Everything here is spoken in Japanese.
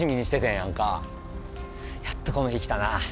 やっとこの日、きたな。